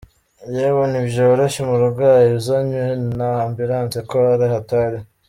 Yewe ntibyoroshye umurwayi uzanywe na ambulance ko ari hatari.